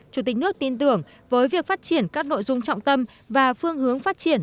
chủ tịch nước tin tưởng với việc phát triển các nội dung trọng tâm và phương hướng phát triển